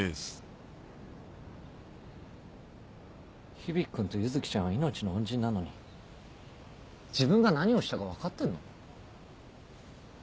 響君と結月ちゃんは命の恩人なのに自分が何をしたか分かってんの？